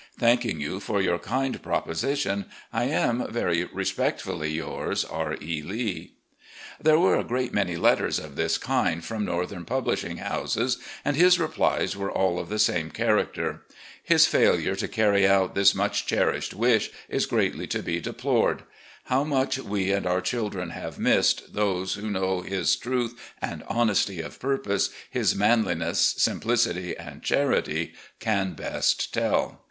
Thanking you for your kind proposition, I am, "Very respectfully yours, "R. E. Lee." There were a great many letters of this kind from Northern publishing houses, and his replies were all of the same character. His failure to carry out this much cherished widi is greatly to be deplored. How much we and our children have missed, those who know his truth and honesty of purpose, his manliness, simplicity, and charity, can best tell.